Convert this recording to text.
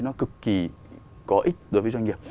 nó cực kỳ có ích đối với doanh nghiệp